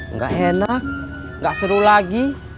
nggak enak nggak seru lagi